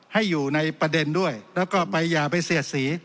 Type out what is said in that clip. ให้อยู่ในประเด็นด้วยแล้วก็ไปอย่าไปเสียดสี